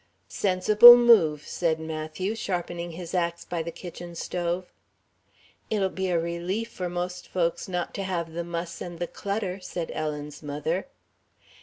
"Sensible move," said Matthew, sharpening his ax by the kitchen stove. "It'll be a relief for most folks not to have the muss and the clutter," said Ellen's mother.